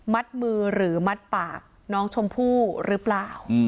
มือหรือมัดปากน้องชมพู่หรือเปล่า